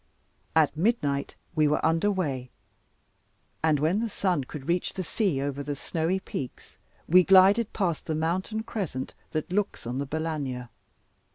At midnight we were under way, and when the sun could reach the sea over the snowy peaks, we glided past the mountain crescent that looks on the Balagna.